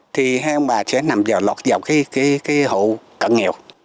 thì hai ông bà sẽ nằm vào lọt vào cái hộ cận nghèo